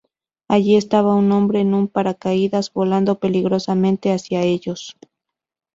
Allí estaba un hombre en un paracaídas, volando peligrosamente hacia ellos.